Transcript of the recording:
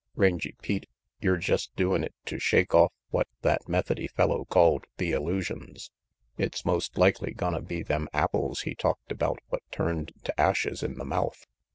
Rangy Pete, yer jest doin' it to shake off what that Methody fellow called the illusions. It's most likely gonna be them apples he talked RANGY PETE 73 about what turned to ashes in the mouth.